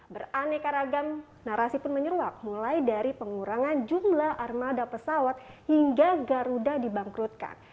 beraneka ragam narasi pun menyeruak mulai dari pengurangan jumlah armada pesawat hingga garuda dibangkrutkan